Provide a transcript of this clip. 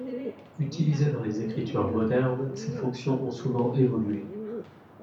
Utilisé dans les écritures modernes, ses fonctions ont souvent évolué.